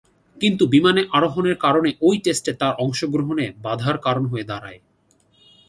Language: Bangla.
কিন্তু বিমানে আরোহণের কারণে ঐ টেস্টে তার অংশগ্রহণে বাঁধার কারণ হয়ে দাঁড়ায়।